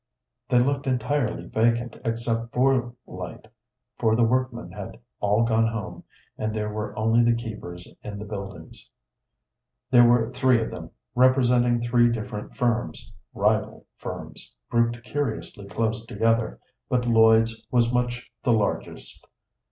They looked entirely vacant except for light, for the workmen had all gone home, and there were only the keepers in the buildings. There were three of them, representing three different firms, rival firms, grouped curiously close together, but Lloyd's was much the largest.